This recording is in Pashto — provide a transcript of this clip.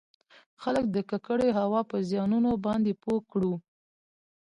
خلــک د ککـړې هـوا پـه زيـانونو بانـدې پـوه کـړو٫